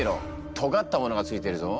とがったものがついてるぞ。